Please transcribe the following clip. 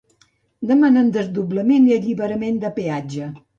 Demanen desdoblament i alliberament de peatge.